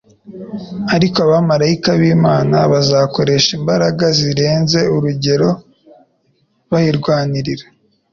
ariko abamaraika b'Imana bazakoresha imbaraga zirenze urugero bayirwanirira.